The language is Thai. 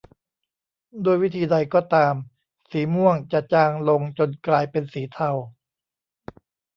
ด้วยวิธีใดก็ตามสีม่วงจะจางลงจนกลายเป็นสีเทา